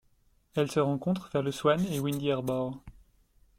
Elle se rencontre vers le Swan et Windy Harbour.